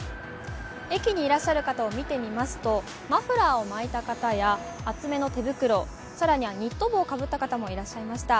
駅にいらっしゃる方を見てみますと、マフラーを巻いた方や厚手の手袋、更にはニット帽をかぶった方もいらっしゃいました。